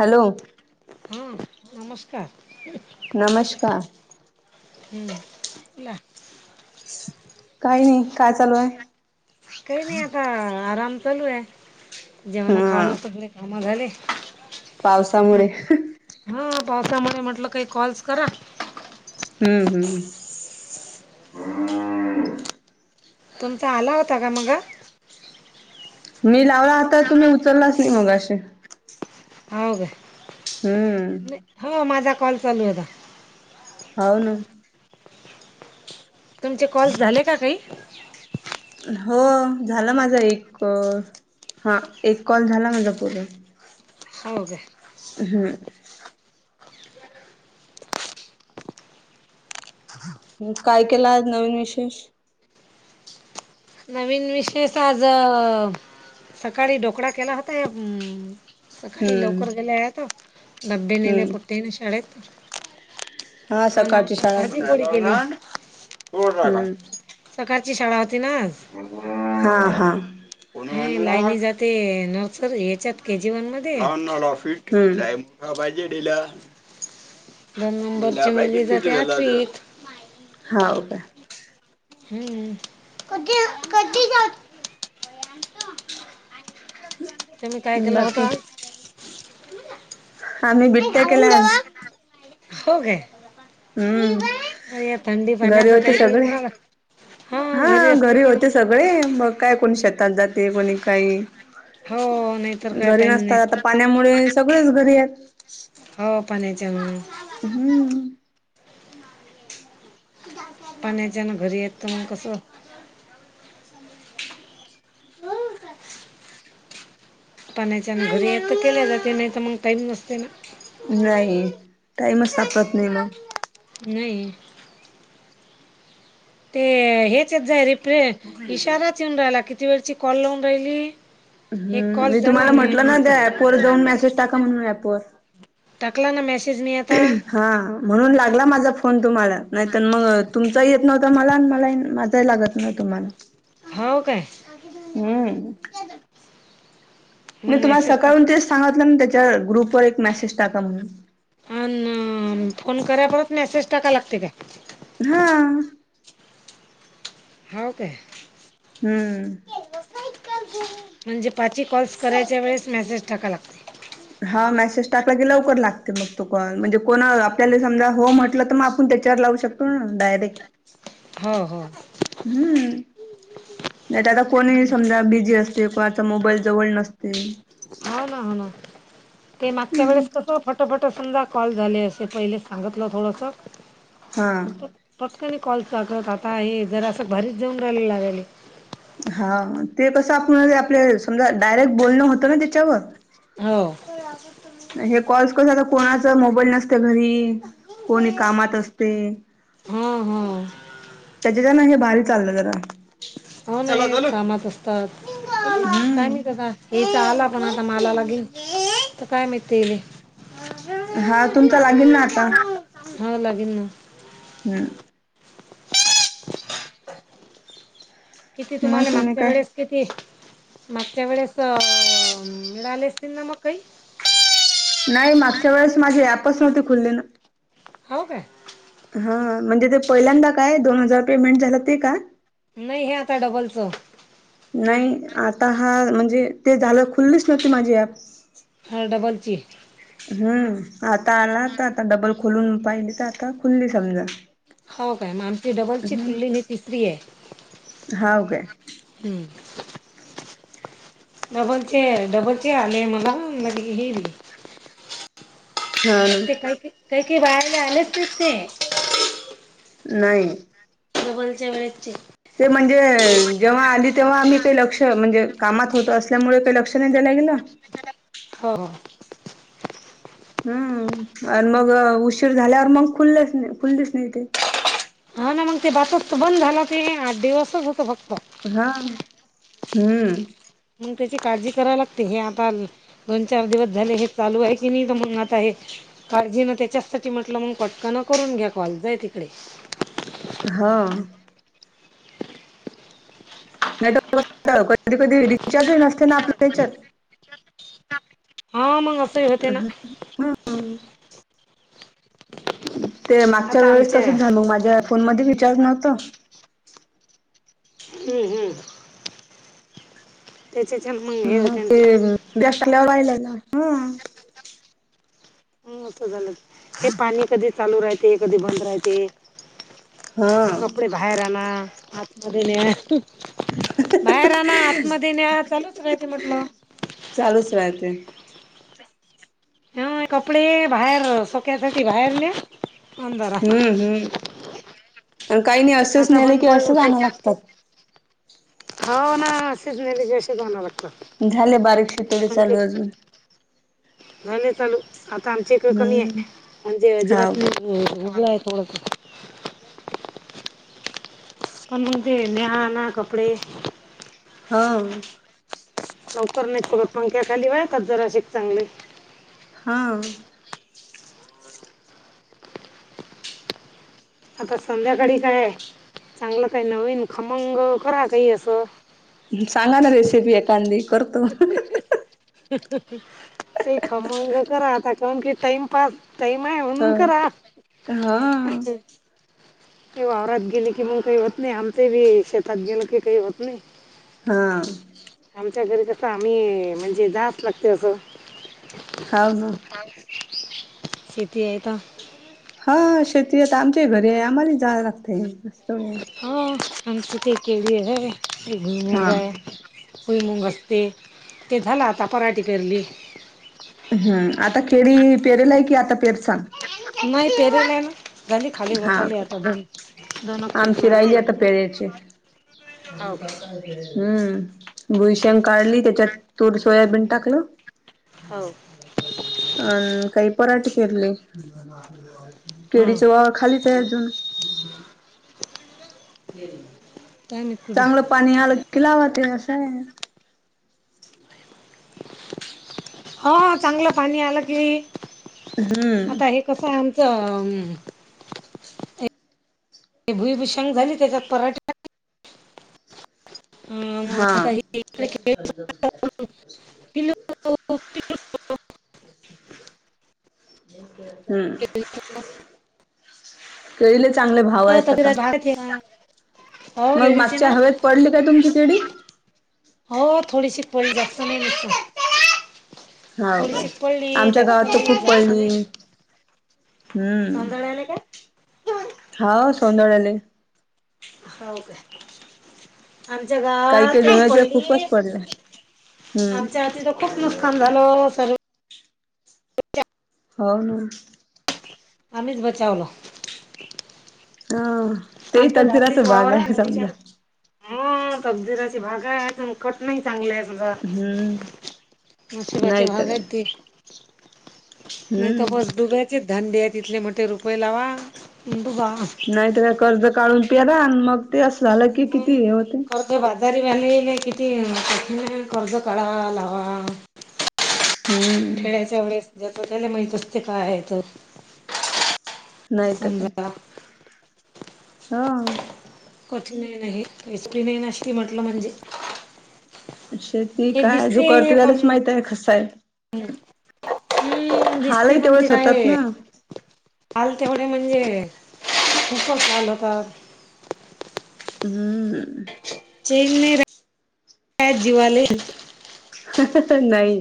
Hello. हा. नमस्कार. नमस्कार. हम्म. काही नाही. काय चालू आहे? काही नाही आता आराम चालू आहे. जेवण हा खावण सगळे काम झाले. पावसामुळे. म्हटलं हा. पावसामुळे म्हटलं काही कॉल्स करा. हम्म हम्म. तुमचा आला होता का मग? मी लावला होता तुम्ही उचललाच नाही मघाशी. हो का? हम्म. नाही हो माझा कॉल चालू होता. हो ना. तुमचे कॉल झाले का काही? हो झालं माझा एक- हा एक कॉल झाला माझा पूर्ण. हो ग. हम्म. काय केला आज नवीन विशेष? नवीन विशेष आज सकाळी डोकळा केला होता सकाळी हम्म लवकर गेल्यात. डब्बे नेले हम्म पुते ना शाळेत. हा ना सकाळची का शाळा भाजी होती कडी केली. हम्म [unintelligible] सकाळची शाळा होती ना आज. हा हा. लायनी जाते नर्सर ह्याच्यात के जी वन मध्ये [inaudible] हम्म दोन नंबरची मुलगी जाते आठवीत. हाव का? हम्म. [inaudible] [inaudible] तुम्ही काय केलं होतं बाकी आज? आम्ही बिट्या घालून केल्या देवा. आज. हो काय? उम, हो या थंडी घरी पाण्याचं होते काही काही सगळे. करा लाग हा असले घरी की होते मग सगळे मग काय कोणी शेतात जाते. कोणी काही? हो नाहीतर काय घरी टाईम नाही नसतात आता पाण्यामुळे सगळेच घरी आहेत. हो. पाण्याच्या हम्म. पाण्याच्या ना घरी य त मग कस? [inaudible] पाण्याच्या हे ना घरी येत तर केल्या जाते नाही तर मग टाईम नसते ना. नाही. टाईमच सापडत नाही मग. नई. ते हेच येत जाय रिप्रे इशाराच येऊन राहिला किती वेळची कॉल लावून राहिली. एक हम्म कॉल मी झाला तुम्हाला म्हटलं ना त्या ऍपवर जाऊन अन मेसेज टाका म्हणून ऍपवर टाकला ना मेसेज मी आता. हा म्हणून लागला माझा फोन तुम्हाला. नाहीत मग तुमचाही येत नव्हता मला आणि मला माझाही लाग न तुम्हाला हो काय हम्म. मग मी तुम्हाला मेसेज टाक सकाळून ते सांगतलं त्याच्या ग्रुप वर एक मेसेज टाका म्हणून? अन फोन करा परत मेसेज टाका लागते का? हा. हाव काय? हम्म. म्हणजे पाची कॉल्स करायच्या वेळेस मेसेज टाकाय लाग हा मेसेज टाकला की लवकर लागते मग तो कॉल, म्हणजे कोण आपल्याला समजा हो म्हटलं तर मग पण त्याच्यावर लावू शकतो ना डायरे हो हो. हम्म. नाही तर आता कोणी समजा बिझी असते कोणाचा मोबाईल जवळ नसते. हो ना हो ना, ते मागच्या वेळेस कसं फ [unintelligible] कॉल झाले असे पहिले सांगितलं थोडस. हा. पटकने कॉल चागत आता हे जर असं भारीच जाऊन राहिलेला लागहिले. हा, ते कसं आपण आपले समजा डायरेक्ट बोलणं होतं ना त्येच्यावर. हो हे कॉल्स कस तर कोणाच मोबाईल नसते घरी कोणी कामात असते. हा, हा त्याच्या जना हे भारी चाललं जरा. हो कामात असतात, काय माहित हम्म आता चहाला पण आता माला लागेल, तर काय माहित ते ले हा तुमचा लागेल ना आता हा लागेल ना. हम्म.. कि ते मग तुम्हाला तुम्ही मागच्या काय वेळेस किती, मागच्या वेळेस, मिळाले असतील ना मग काही? नाही! मागच्या वेळेस माझी ऍपच नव्हती खुली ना. हाव काय? हा म्हणजे, ते पहिल्यांदा काय दोन हजार पेमेंट झालं ते का? नही, हे आता डबलचं! नाही, आता हा म्हणजे ते झालं खुल्लीच नव्हती माझी ॲप. हा, डबलची? हम्म, आता आला, आता, आता डबल खुलून पाहिली तर आता खुलली समजा. हो काय? मग आमची डबलची हम्म खुलेली ही तिसरी हेय! हाव काय? हम्म डबलचे हे, डबल चे आले मला मग हे बि. हा ना ते काय ते, बाहेर आलेच नसते. नाही. डबलचे वेळेचे. ते म्हणजे जेव्हा आली तेव्हा आम्ही ते लक्ष, म्हणजे कामात होत असल्यामुळे ते लक्ष नाही देल गेलं? हा, हा हम्म, अन मग उशीर झाल्यावर मग खुल्लेच नाही खुललेच नाही ते. हा मग ते बासटच बंद झालं ते आठ दिवसच होत फक्त. हा, हम्म मग त्याची काळजी करायला लागते हे आता आली. दोन- चार दिवस झाले हे चालू आहे कि मग आता हे काळजी ना त्याच्याचसाठी म्हटलं म फक्त फटकन करून घ्या कॉल, जाय तिकडे. हा नाही तर, कधी -कधी रिचार्ज नसते ना आपल्या हेच्यात. हा मग, असंही होते ना ह हा अन [unintelligible] ते मागच्या आता वेळेस आमच्या तसंच झालं, मग माझ्या फोन मध्ये रिचार्ज नव्हतं. हम्म, हम्म त्याचेच हे मग. हे मग होते ना ते जास्त व्हयला ना. हम्म मस्त झालंय. हे पाणी कधी चालू राहते कधी बंद राहते. हा बाहेर आणा. आतमध्ये न्या. बाहेर आणा. आतमध्ये न्या. चालूच च राहते म्हटलं. चालूच राहते. ह, कपडे बाहेर, सुक्यासाठी बाहेर न्या अंधारा हम्म, हम्म. अन् काही नाही. असेच आता नेले बंद की, पडलं असंच ते आणावं लागतात. हो, ना. असच नेले की, असच आणावं लागतात. झाले, बारीक शीथोडे चालू अजून. झाले चालू. आता आमचे इकड कमीय. हम्म म्हणजे हाव अजिबात काय नाही. हा, उग आहे थोडंसं. हा, मग ते, न्हया - आणा कपडे. हां. लवकर नाही सुकत. पंख्या खाली वाळतात जरासिक चांगले. हा. आता संध्याकाळी काय? चांगलं काय नवीन, खमंग करा, काही असं. सांगा ना, रेसिपी एखांदी. [unintelligible] [unintelligible] काही खमंग करा आता. कारण की टाइमपास टाईमय, हा म्हणून करा. हा ते वावरात गेले की, मग काही होत नाही. आमचे बी शेतात गेल की, काही होत नाही. हा. आमच्या घरी कसं आम्ही, म्हणजे जास लागते असं. हा, हा. [inaudible] शेती आहे त. हा, शेती आता आमच्या घरीय. आम्हाली जावं लागतय. हा. आमच, काही केळी हाय. ते हा. [unintelligible] भूईमुंग असते. ते झालं आता, पराठीे पेरली. हम्म. आता खेळी पेरेल आहे की, आता पेर सां. नाही, पेर नाही ना. झाली खाली हा, होत आली का? आता दोन दोन आमची पटणार राहिली, आहे आता पेरायची. [unintelligible] हो हम्म. भुईशंग काढली. त्याच्यात तूर- सोयाबीन टाकलं. काय हो [unintelligible] अ, काही पराठ पेरली. [unintelligible] हं केडीचं वावर, खालीचय अजून. [unintelligible] काय माहित, कुठय? चांगलं पाणी आलं की, लावाते असंय. हा, चांगलं पाणी आलं की हम्म. आता हे कसं, आमचं अं ते भुईभषंग झाली. त्याच्यात पराठ्या हम, हा आता ही [unintelligible] [unintelligible] पिल्लू हम्म. केळीले चांगले भावयत आता. तगड्यात भारत आहे ना. हो मग केळीचे मागच्या ना हवेत पडली काय, तुमची केडी? हो थोडीशी पळी जास्त नाही दिसत. होा का आमच्या गावात तर नाही खूप जास्त पडली. नाही हम्म तांदळ आले का हो हा सौंदळ्या आले. हो का. आमच्या काही काही गावात जणाच्या पडली खूपच पडलाय. हम्म आमच्या हाती तर खूप नुसत. स झााल असल. हो ना. आम्हीच बचावलं. हा ते आमचं तरलतरा अस डाकरीत भाग वावर आहे नदीच्या समजा हा तबजुराची भागा आहे कट नाही चांगले. आ हम्म मछी वाछी नाही तर काय भागती. नाही तर हम्म बस डुब्याचेच धंद्य आहे तिथले म्हणते रुपये लावा डुबा. नाहीत कर्ज काढून प्यारा आणि मग ते असं झालं की मग किती हे होते. कर्ज बाजारी बाधले किती कर्ज काढावा लावा. हम्म खेळायच्या वेळेस. जेत त्याला माहितच ते काय आहे तर. नाही तर काही. समजा हो. कच नाही नाही एचपी नाही नासी म्हटलं म्हणजे.. शे ती हे कायजू करते झालाच माहित आहे कसायल. हम् दिसते हालही पण ते. तेवढेच होतात ना आल तेवढे म्हणजे ख आल होत. हम्म. चेनने राज जीवाले. नाही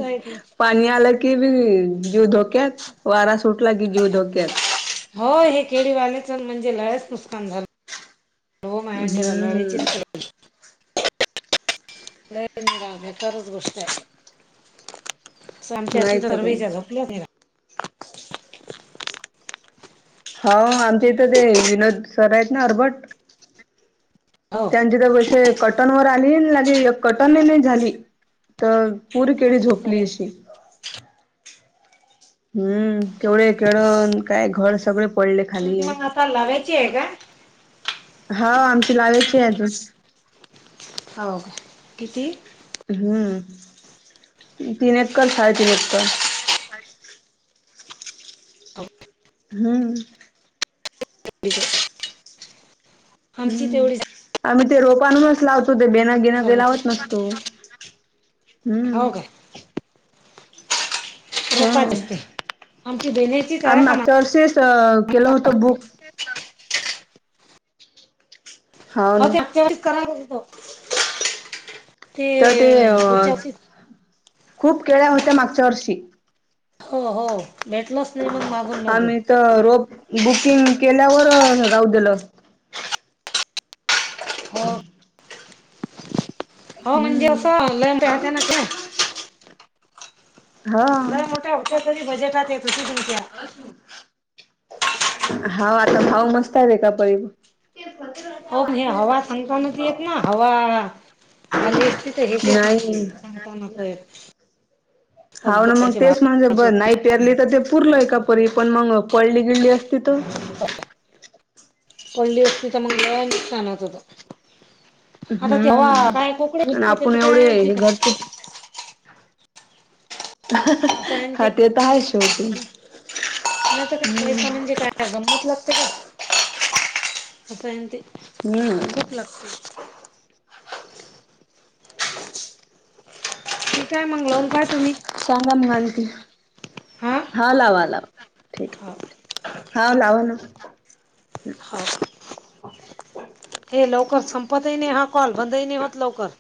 पाणी आला. की बी जीव धोक्यात वारा सुटला की जीव धोक्यात हो हे केळीवालेच म्हणजे लळ्याच नुकसान झालं. हो माया निरा लढायचीच हम्म. नाही नाही रा बेकारच गोष्ट आहे नाही आमच्याची तर काय तररवी झाल. [unintelligible] होा आमच्या इथं ते विनोद सर आहेत ना. हो. त्यांची तर कसे कटनवरर आली लागे कटन नाही झाली. तर पूर केडी झोपली करेन. अशी. हम्म केवढे केळ काय घर सगळे पडले खाली. तुमची मग आता लावायची आहे का? हा आमची लावेची आहे अजून. हो का किती. हम्म तीन एकर साडे तीन एकर. हम्म [inaudible] आमची हम्म तेवढीच आम्ही ते रोपानूनच लावतो. ते बेनां गेणं काही सव्वाची. लावत नसतो हम्म. हो का. हा रोपाच असते. आमची बेण्याचीच आहे आम् पण मागच्या वर्षीच केलं होतं बुक. [inaudible] हाव हो ना त्याळीस करायलाेतो. तर ते अ, पुढच्या वर्षी खूप केळ्या होत्या मागच्या वर्षी. हो हो, भेटलाच नाही मग मागून मागून. आम्ही तर रोप, बुकिंग केल्यावर राहू दिलं हो. हो म्हणजे हम्म असं ऑनलाईन [unintelligible] हा. लय मोठ्या होत्या तरी बजेटात येत होती तुमच्या. हाव आता भाव मस्त आहे एका पररीब. हो पण हे हवा सांगताना येत ना हवा. आली असती तर हे नाही [unintelligible] हाव ना मग पगचे तेच म्हणजे ब भाव नाही पेरली तर ते पुरलय का परी पण मग पळली गिळली असती त. पडली असती तर मग नुकसान होत होत. आता तेव्हा हम्म काय कोकणी आणि गुसती आपण त्याच एवढे काय? हे घरचे [unintelligible] हा ते तर आहे शेवटी पैसा म्हणजे काय? काय गंमत लागते का, असं आहे ना ते. हम्म. खूप लागते काय मगलावून काय तुम्ही? सांगा म आणती, हा लावा लावा, ठीक हो आहे. हाव लावा ना. हाव [unintelligible] हे लवकर संपतही नाही हा कॉल बंदही नाही होत लवकर.